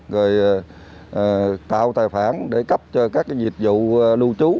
rồi tạo tài khoản để cấp cho các dịch vụ lưu trú